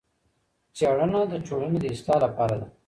څېړنه د ټولني د اصلاح لپاره ده.